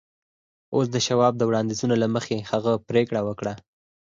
اوس د شواب د وړانديزونو له مخې هغه پرېکړه وکړه.